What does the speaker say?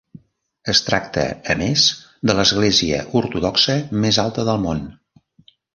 Es tracta, a més, de l'església ortodoxa més alta del món.